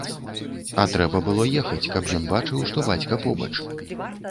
А трэба было ехаць, каб ён бачыў, што бацька побач.